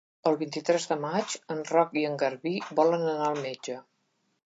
El vint-i-tres de maig en Roc i en Garbí volen anar al metge.